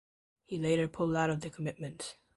He later pulled out of the commitment.